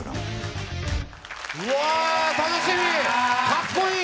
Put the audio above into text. かっこいい！